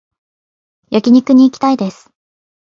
焼肉に行きたいです